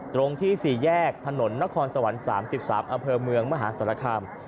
ตรงที่๔แยกถนนนครสวรรค์๓๓อำเภอเมืองมหาศาลคาม